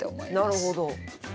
なるほど。